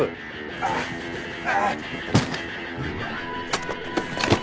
ああ！